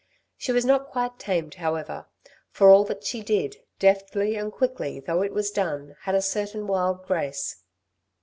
She was not quite tamed, however, for all that she did, deftly and quickly though it was done, had a certain wild grace.